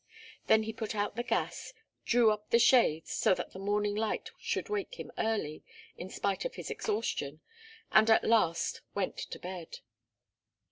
Then he put out the gas, drew up the shades, so that the morning light should wake him early, in spite of his exhaustion, and at last went to bed.